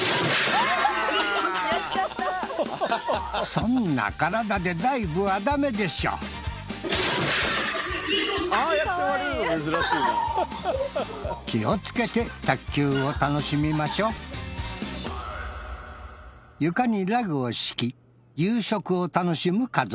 そんな体でダイブはダメでしょ気をつけて卓球を楽しみましょう床にラグを敷き夕食を楽しむ家族